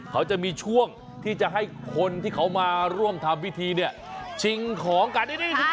เขาจะมีช่วงที่จะให้คนที่เขามาร่วมทำพิธีเนี่ยชิงของกัน